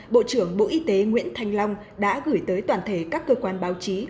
bộ trưởng bộ y tế nguyễn thanh long đã gửi tới toàn thể các cơ quan báo chí